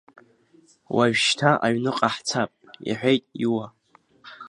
Уажәшьҭа аҩныҟа ҳцап, — иҳәеит Иуа.